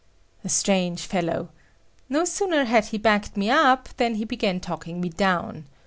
A strange fellow! No sooner had he backed me up than he began talking me down.